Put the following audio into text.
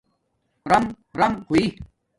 رِم رِم ہوئ